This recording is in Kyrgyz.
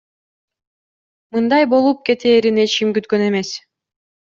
Мындай болуп кетээрин эч ким күткөн эмес.